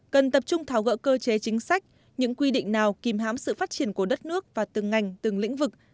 cần tập trung tháo gỡ cơ chế chính sách những quy định nào kìm hám sự phát triển của đất nước và từng ngành từng lĩnh vực